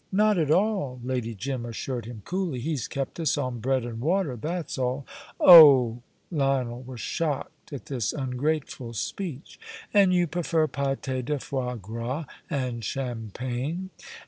"Not at all," Lady Jim assured him coolly. "He's kept us on bread and water that's all." "Oh!" Lionel was shocked at this ungrateful speech. "And you prefer pâté de foie gras and champagne?"